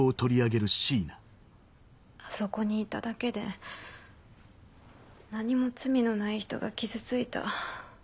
あそこにいただけで何も罪のない人が傷ついた。